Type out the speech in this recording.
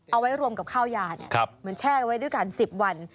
เอาไว้รวมกับข้าวยาเหมือนแช่ไว้ด้วยกัน๑๐วัน